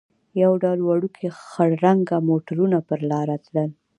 یو ډول وړوکي خړ رنګه موټرونه پر لار تلل.